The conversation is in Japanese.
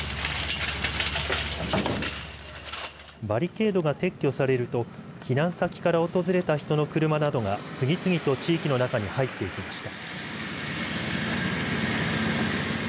バリケードが撤去されると避難先から訪れた人の車などが次々と地域の中に入っていきました。